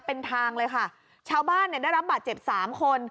เป็นทางเลยค่ะชาวบ้านเนี่ยได้รับบาดเจ็บสามคน